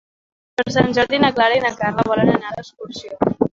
Per Sant Jordi na Clara i na Carla volen anar d'excursió.